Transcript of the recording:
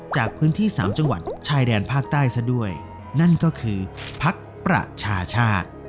จากพื้นที่๓จังหวัดชายแดนภาคใต้ซะด้วยนั่นก็คือพักประชาชาติ